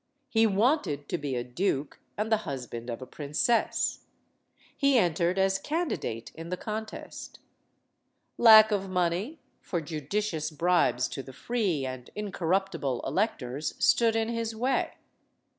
He wanted to be a duke and the husband of a princess. He entered as candidate in the contest. Lack of money, for judicious bribes to the free and incorruptible elec tors, stood in his way.